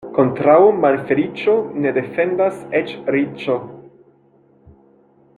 Kontraŭ malfeliĉo ne defendas eĉ riĉo.